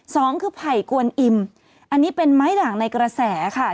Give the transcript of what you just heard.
สองคือไผ่กวนอิมอันนี้เป็นไม้ด่างในกระแสค่ะ